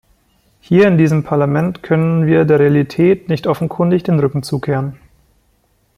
Hier in diesem Parlament können wir der Realität nicht so offenkundig den Rücken zukehren.